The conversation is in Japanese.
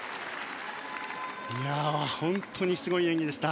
本当にすごい演技でした。